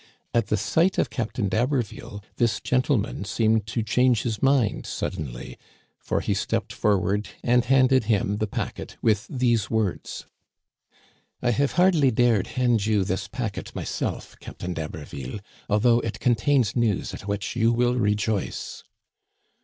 At the sight of Captain d'Haber ville this gentleman seemed to change his mind suddenly, for he stepped forward and handed him the packet with these words :" I have hardly dared hand you this packet myself, Captain d'Haberville, although it contains news at which you will rejoice."